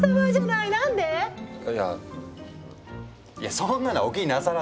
いやそんなのはお気になさらず。